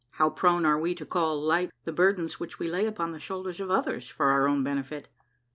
How prone are we to call light the burdens which we lay upon the shoulders of others for our own benefit?